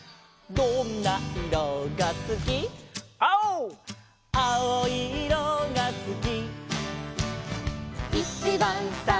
「どんないろがすき」「」「きいろいいろがすき」